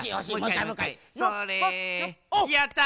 やった！